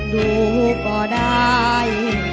ดูก็ได้